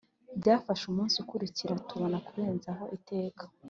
byafashe umunsi ukurikira tubona kurenzaho itaka